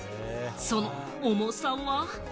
その重さは。